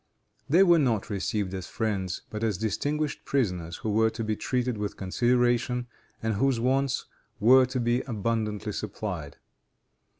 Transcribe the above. They were not received as friends, but as distinguished prisoners, who were to be treated with consideration, and whose wants were to be abundantly supplied.